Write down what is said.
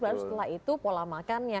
baru setelah itu pola makannya